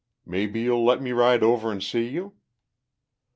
Maybe you'll let me ride over and see you?"